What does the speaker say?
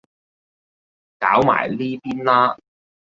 搞埋呢邊啦